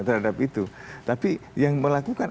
terhadap itu tapi yang melakukan